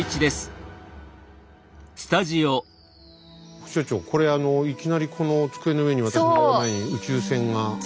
副所長これいきなりこの机の上に私の前に宇宙船が模型が。